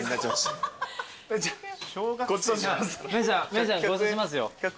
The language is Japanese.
メンちゃんごちそうしますよ。